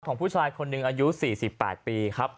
ของผู้ชายคนหนึ่งอายุ๔๘ปีครับ